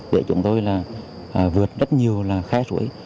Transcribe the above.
để chúng tôi vượt rất nhiều khẽ suối